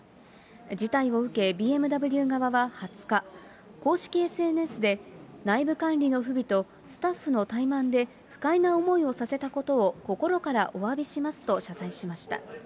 事態を受け、ＢＭＷ側は２０日、公式ＳＮＳで、内部管理の不備とスタッフの怠慢で不快な思いをさせたことを心からおわびしますと謝罪しました。